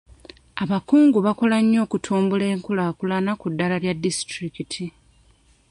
Abakungu bakola nnyo okutumbula enkulaakulana ku ddaala lya disitulikiti.